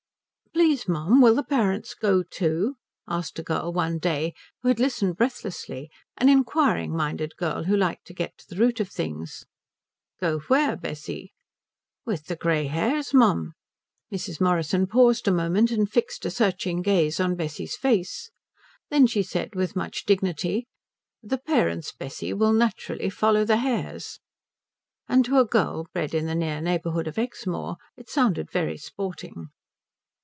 "Please mum, will the parents go too?" asked a girl one day who had listened breathlessly, an inquiring minded girl who liked to get to the root of things. "Go where, Bessie?" "With the grey hairs, mum." Mrs. Morrison paused a moment and fixed a searching gaze on Bessie's face. Then she said with much dignity, "The parents, Bessie, will naturally follow the hairs." And to a girl bred in the near neighbourhood of Exmoor it sounded very sporting.